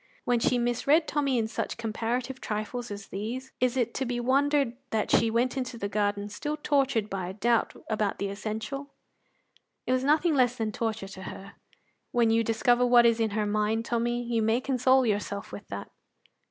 When she misread Tommy in such comparative trifles as these, is it to be wondered that she went into the garden still tortured by a doubt about the essential? It was nothing less than torture to her; when you discover what is in her mind, Tommy, you may console yourself with that.